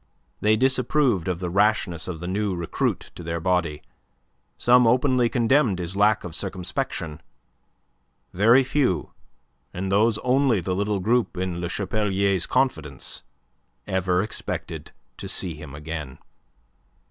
They disapproved of the rashness of the new recruit to their body. Some openly condemned his lack of circumspection. Very few and those only the little group in Le Chapelier's confidence ever expected to see him again.